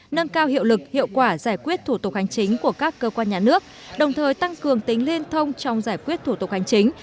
nâng cao hiệu lực hiệu quả giải quyết thủ tục hành chính của các cơ quan nhà nước đồng thời tăng cường tính liên thông trong giải quyết thủ tục hành chính